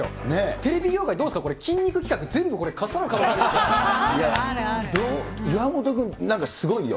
テレビ業界、どうですか、筋肉企画、全部これ、かっさらう可能性岩本君、なんかすごいよ。